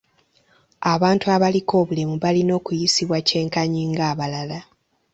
Abantu abaliko obulemu balina okuyisibwa kyenkanyi ng'abalala.